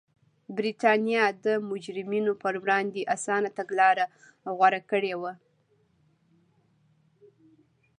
برېټانیا د مجرمینو پر وړاندې اسانه تګلاره غوره کړې وه.